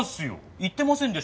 言ってませんでしたっけ？